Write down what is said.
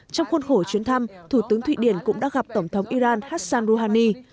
trong khuôn khổ chuyến thăm thủ tướng thụy điển cũng đã gặp tổng thống iran hassan rouhani